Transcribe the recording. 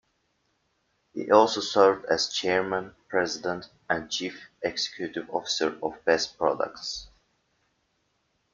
He also served as Chairman, President and Chief Executive Officer of Best Products.